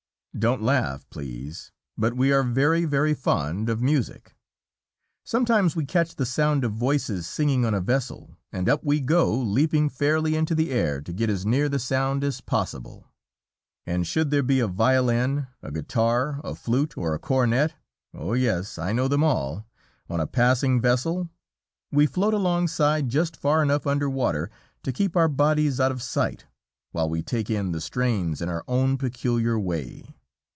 Don't laugh, please, but we are very, very fond of music. Sometimes we catch the sound of voices singing on a vessel, and up we go, leaping fairly into the air to get as near the sound as possible. And should there be a violin, a guitar, flute, or a cornet oh, yes, I know them all! on a passing vessel, we float alongside just far enough under water to keep our bodies out of sight, while we take in the strains in our own peculiar way.